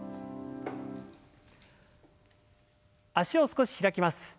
脚を少し開きます。